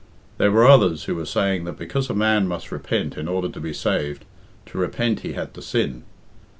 There were others who were saying that because a man must repent in order to be saved, to repent he had to sin.